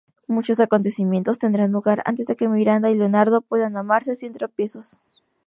Muchos acontecimientos tendrán lugar antes de que Miranda y Leonardo puedan amarse sin tropiezos.